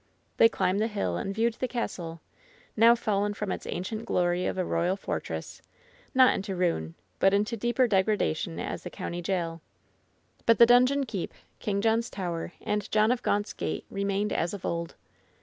They climbed the hill and viewed the castle, now fallen from its ancient glory of a royal fortress — ^not into ruin, but into deeper degradation as the county jail. But the donjon keep, King John's Tower, and John of Gaunt's Gate remain as of old.